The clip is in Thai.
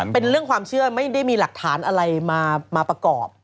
เป็นเรื่องความเชื่อไม่ได้มีหลักฐานอะไรมาประกอบ